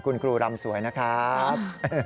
กลุ่นกรูรำสวยนะครับ